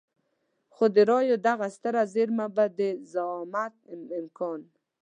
خو د رايو دغه ستره زېرمه به د زعامت امکان.